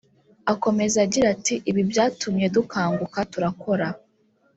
Akomeza agira ati” Ibi byatumye dukanguka turakora